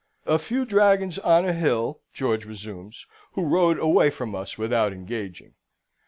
"... A few dragons on a hill," George resumes, "who rode away from us without engaging.